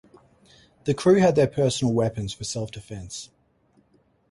The crew had their personal weapons for self-defense.